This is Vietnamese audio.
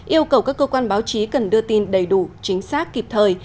yêu cầu các cơ quan báo chí cần đưa tin đầy đủ chính xác kịp thời